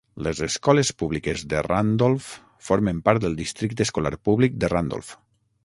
Les escoles públiques de Randolph formen part del districte escolar públic de Randolph.